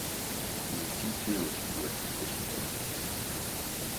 Il est situé au sud-ouest de Chicago.